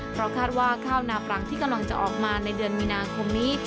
เพราะคาดว่าข้าวนาปรังที่กำลังจะออกมาในเดือนมีนาคมนี้